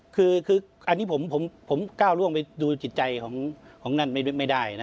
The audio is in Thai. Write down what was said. คืออันนี้ผมก้าวล่วงไปดูจิตใจของนั่นไม่ได้นะ